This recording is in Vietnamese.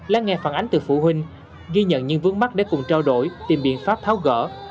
lắng nghe phản ánh từ phụ huynh ghi nhận những vướng mắt để cùng trao đổi tìm biện pháp tháo gỡ